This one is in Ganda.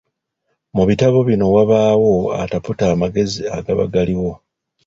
Mu bitabo bino wabaawo ataputa amagezi agaba galiwo.